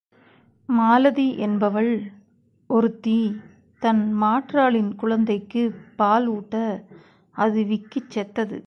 மாலதி என்பவள் ஒருத்தி தன் மாற்றாளின் குழந்தைக்குப் பால் ஊட்ட அது விக்கிச் செத்தது.